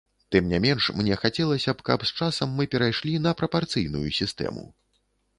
Тым не менш, мне хацелася б, каб з часам мы перайшлі на прапарцыйную сістэму.